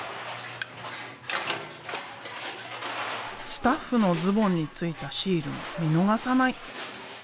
スタッフのズボンについたシールも見逃さない。